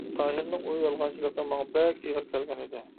تاھىرنىڭ ئۇ يالغانچىلىقى ماڭا بەك ئېغىر كەلگەن ئىدى.